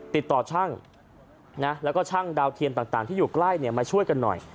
ติดต่อช่างแล้วก็ช่างดาวเทียมต่างที่อยู่ใกล้มาช่วยกันหน่อย